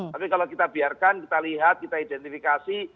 tapi kalau kita biarkan kita lihat kita identifikasi